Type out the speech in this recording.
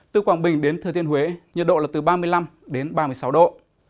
từ quảng bình đến thừa thiên huế nhiệt độ là từ ba mươi năm đến ba mươi sáu độ